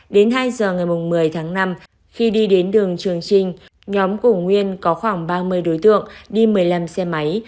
đến hai giờ ngày một mươi tháng năm khi đi đến đường trường trinh nhóm của nguyên có khoảng ba mươi đối tượng đi một mươi năm xe máy